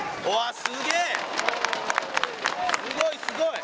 すごいすごい。